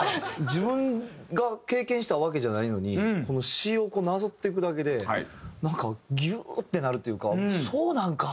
自分が経験したわけじゃないのにこの詞をなぞっていくだけでなんかギューってなるっていうかそうなんか！